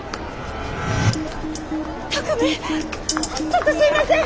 巧海ちょっとすいません！